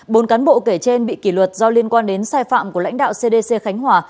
bốn cán bộ kể trên bị kỷ luật do liên quan đến sai phạm của lãnh đạo cdc khánh hòa